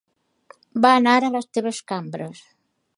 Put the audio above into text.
Va anar a les teves cambres.